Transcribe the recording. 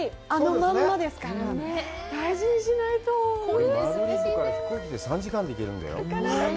マドリードから飛行機で３時間で行けるんだよ。